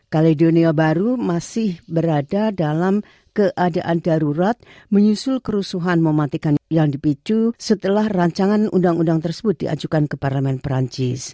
kaledonia baru masih berada dalam keadaan darurat menyusul kerusuhan mematikan yang dipicu setelah rancangan undang undang tersebut diajukan ke parlemen perancis